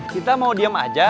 kita mau diem aja